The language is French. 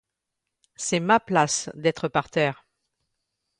C'est ma place, d'être par terre.